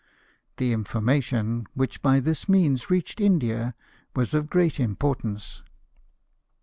The informa tion which by this means reached India was of great importance.